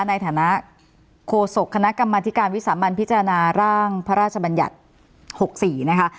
ในฐานะโฆษกคณะกรรมธิการวิสามันพิจารณาร่างพระราชบัญญัติ๖๔นะคะ